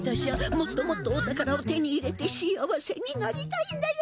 もっともっとおたからを手に入れて幸せになりたいんだよ。